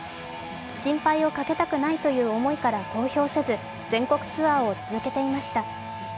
心配をかけたくないという思いから公表せず、全国ツアーを続けていました。